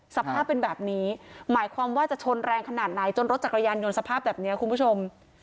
สภาพเป็นแบบนี้หมายความว่าจะชนแรงขนาดไหนจนรถจักรยานยนต์สภาพแบบนี้คุณผู้ชม